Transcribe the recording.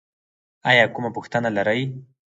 ایا کومه پوښتنه لرئ؟